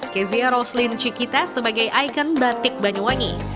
kezia roslin cikita sebagai ikon batik banyuwangi